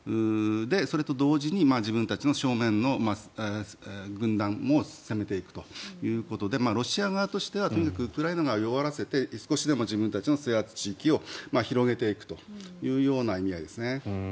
それと同時に自分たちの正面の軍も攻めていくということでロシア側としてはとにかくウクライナを弱らせて少しでも自分たちの制圧地域を広げていくというような意味合いですね。